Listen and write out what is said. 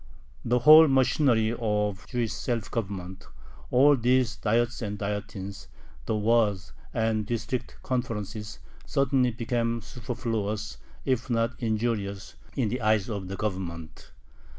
The whole machinery of Jewish self government, all these Diets and Dietines, the Waads and District conferences, suddenly became superfluous, if not injurious, in the eyes of the Government.